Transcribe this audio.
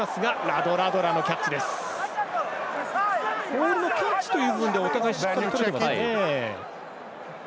ボールのキャッチという部分ではお互いしっかり、とってますね。